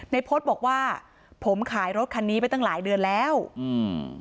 พจน์บอกว่าผมขายรถคันนี้ไปตั้งหลายเดือนแล้วอืม